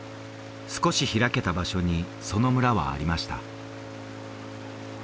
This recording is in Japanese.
少しひらけた場所にその村はありました